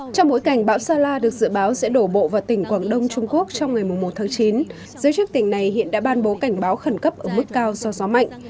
trong bối cảnh bão sala được dự báo sẽ đổ bộ vào tỉnh quảng đông trung quốc trong ngày một tháng chín giới chức tỉnh này hiện đã ban bố cảnh báo khẩn cấp ở mức cao do gió mạnh